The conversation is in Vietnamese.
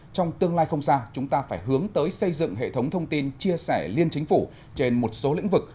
trong tương lai không xa chúng ta phải hướng tới xây dựng hệ thống thông tin chia sẻ liên chính phủ trên một số lĩnh vực